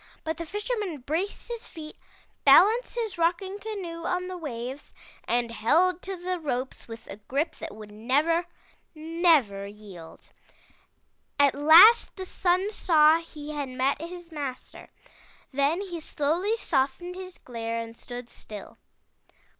But the Fisherman braced his feet, balanced his rocking canoe on the waves, and held to the ropes with a grip that would never, never yield. At last the Sun saw he had met his master. Then he slowly softened his glare and stood still.